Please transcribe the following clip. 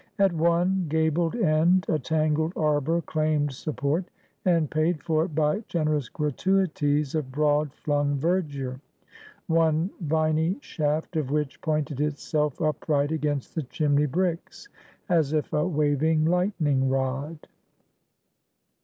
At one gabled end, a tangled arbor claimed support, and paid for it by generous gratuities of broad flung verdure, one viny shaft of which pointed itself upright against the chimney bricks, as if a waving lightning rod.